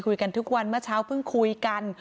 คุยกันทุกวันเมื่อเช้าเพิ่งคุยกัน